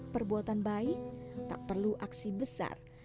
perbuatan baik tak perlu aksi besar